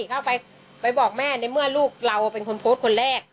เข้าไปไปบอกแม่ในเมื่อลูกเราเป็นคนโพสต์คนแรก